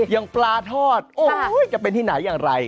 อย่างปลาทอดจะเป็นที่ไหนอย่างไร